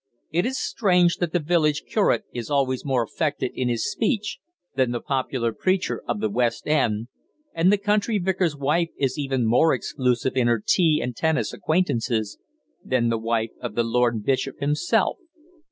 It is strange that the village curate is always more affected in his speech than the popular preacher of the West End, and the country vicar's wife is even more exclusive in her tea and tennis acquaintances than the wife of the lord bishop himself.